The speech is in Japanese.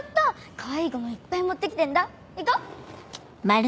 かわいいゴムいっぱい持って来てんだ行こう！